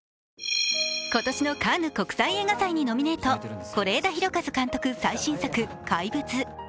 今年のカンヌ国際映画祭にノミネート、是枝裕和監督最新作「怪物」。